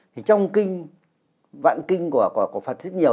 thì trong kinh vạn kinh của phật rất nhiều